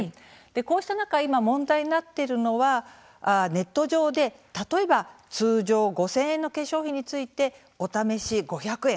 こうした中、今問題になっているのはネット上で例えば通常５０００円の化粧品についてお試し５００円